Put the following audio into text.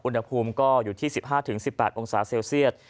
อุณหภูมิก็อยู่ที่๑๕๑๘องศาเซลเซียต